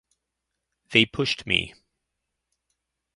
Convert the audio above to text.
They pushed me.